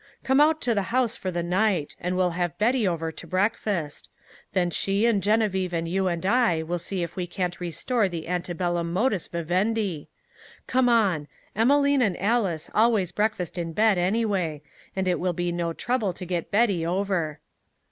"Come out to the house for the night, and we'll have Betty over to breakfast. Then she and Geneviève and you and I will see if we can't restore the ante bellum modus vivendi! Come on! Emelene and Alys always breakfast in bed, anyway, and it will be no trouble to get Betty over."